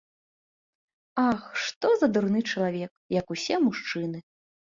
Ах, што за дурны чалавек, як усе мужчыны.